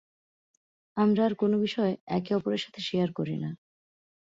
আমরা আর কোনো বিষয় একে অপরের সাথে শেয়ার করি না।